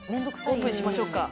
オープンしましょうか。